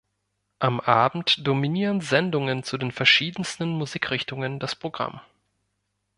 Am Abend dominieren Sendungen zu den verschiedensten Musikrichtungen das Programm.